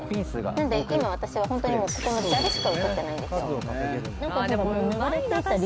なので、今、私は本当にここの砂利しか写ってないんですよ。